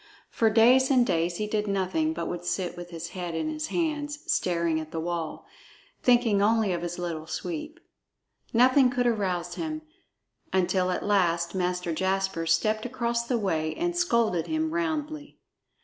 For days and days he did nothing, but would sit with his head in his hands, staring at the wall, thinking only of his Little Sweep. Nothing could arouse him, until at last Master Jasper stepped across the way and scolded him roundly.